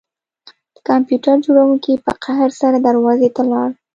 د کمپیوټر جوړونکي په قهر سره دروازې ته لاړ